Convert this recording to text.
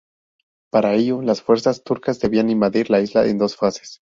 Para ello, las fuerzas turcas debían invadir la isla en dos fases.